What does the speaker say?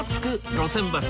路線バス』